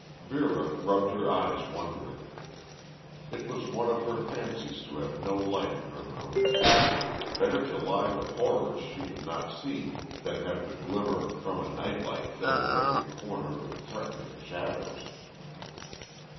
Vera rubbed her eyes wondering. It was one of her fancies to have no light in her room. Better to lie with horrors she could not see than have the glimmer from a nightlight filling every corner with threatening shadows.